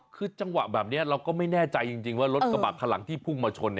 คือจังหวะแบบนี้เราก็ไม่แน่ใจจริงว่ารถกระบะคันหลังที่พุ่งมาชน